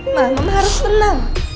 mama harus tenang